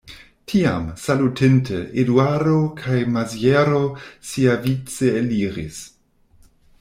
Tiam, salutinte, Eduardo kaj Maziero siavice eliris.